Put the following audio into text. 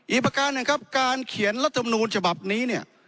ประการหนึ่งครับการเขียนรัฐมนูลฉบับนี้เนี่ย